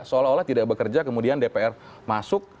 seolah olah tidak bekerja kemudian dpr masuk